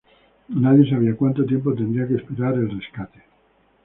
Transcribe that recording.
Nadie sabía cuánto tiempo tendrían que esperar el rescate.